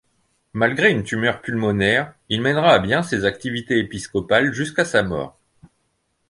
Malgré une tumeur pulmonaire, il mènera à bien ses activités épiscopales jusqu'à sa mort.